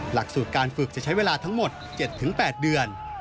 หลักสูตรการฝึกจะใช้เวลาทั้งหมด๗๘เดือน